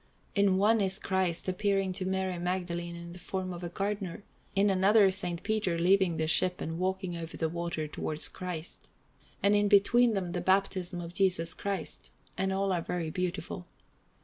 In one is Christ appearing to Mary Magdalene in the form of a gardener, in another S. Peter leaving the ship and walking over the water towards Christ, and between them the Baptism of Jesus Christ; and all are very beautiful.